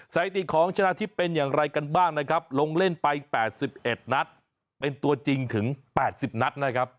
สถิติของชนะทิพย์เป็นอย่างไรกันบ้างนะครับลงเล่นไป๘๑นัดเป็นตัวจริงถึง๘๐นัดนะครับ